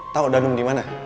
tau danu dimana